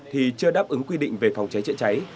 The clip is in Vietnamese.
thì chưa đáp ứng quy định về phòng cháy chữa cháy